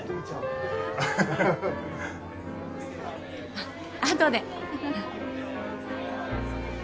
あっあとで。